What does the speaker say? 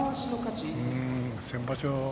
先場所